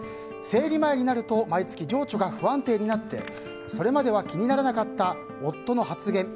生理前になると毎月、情緒が不安定になってそれまでは気にならなかった夫の発言